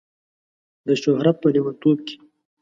د شهرت په لیونتوب کې